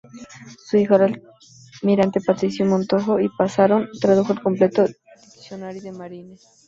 Su hijo el almirante Patricio Montojo y Pasarón tradujo el complejo "Dictionnaire de marine.